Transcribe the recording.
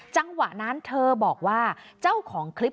จังหวะนั้นเธอบอกว่าเจ้าของคลิป